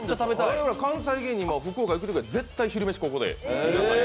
我々関西芸人は福岡行くときは必ずここで。